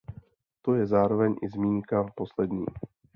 To je zároveň i zmínka poslední.